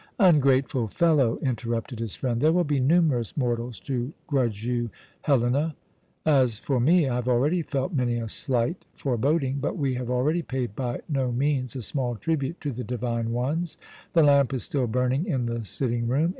"Ungrateful fellow!" interrupted his friend. "There will be numerous mortals to grudge you Helena. As for me, I have already felt many a slight foreboding; but we have already paid by no means a small tribute to the divine ones. The lamp is still burning in the sitting room.